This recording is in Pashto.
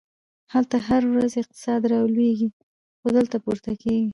هلته هره ورځ اقتصاد رالویږي، خو دلته پورته کیږي!